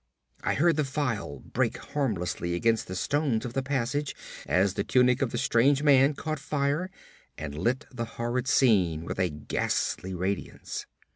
I heard the phial break harmlessly against the stones of the passage as the tunic of the strange man caught fire and lit the horrid scene with a ghastly radiance.